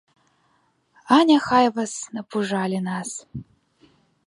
А няхай вас, напужалі нас.